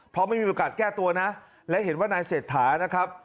เพราะไม่มีโอกาสแก้ตัวนะและเห็นว่านายเศรษฐานะครับ